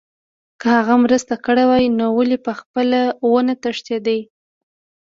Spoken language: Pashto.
که هغه مرسته کړې وای نو ولې پخپله ونه تښتېد